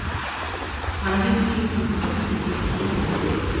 Haraheze icyumweru kuva mperuka kubona.